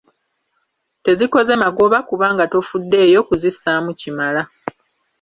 Tezikoze magoba kubanga tofuddeeyo kuzissaamu kimala.